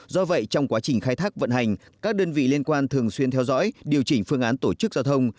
do vậy trong quá trình khai thác vận hành các đơn vị liên quan thường xuyên theo dõi điều chỉnh phương án tổ chức giao thông